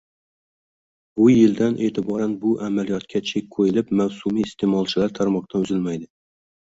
Bu yildan eʼtiboran bu amaliyotga chek qoʻyilib, mavsumiy isteʼmolchilar tarmoqdan uzilmaydi.